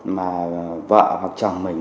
mà vợ hoặc chồng mình